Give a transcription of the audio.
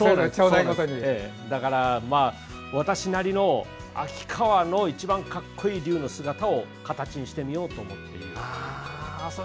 だから、私なりの秋川の一番格好いい龍の姿を形にしてみようと思っています。